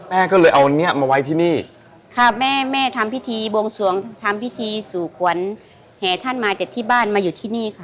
แม่ก็เลยเอาเนี้ยมาไว้ที่นี่ค่ะแม่แม่ทำพิธีบวงสวงทำพิธีสู่ขวัญแห่ท่านมาจากที่บ้านมาอยู่ที่นี่ค่ะ